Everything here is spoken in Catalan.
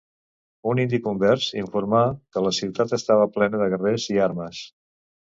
Un indi convers informà que la ciutat estava plena de guerrers i armes.